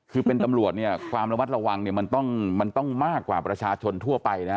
คือเป็นตำรวจความระมัดระวังมันต้องมากกว่าประชาชนทั่วไปนะ